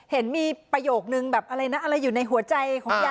เห็นมีประโยคนึงแบบอะไรนะอะไรอยู่ในหัวใจของยาย